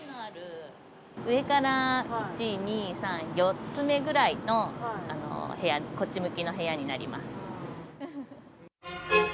上から１、２、３、４つ目ぐらいの、こっち向きの部屋になります。